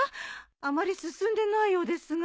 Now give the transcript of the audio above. あまり進んでないようですが。